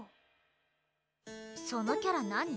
そのキャラ何？